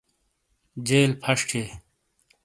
جیل فش تھیے